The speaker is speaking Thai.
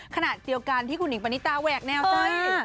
ขนาดเดียวกันที่คุณหญิงปานิตาแวกแนวใช่ไหม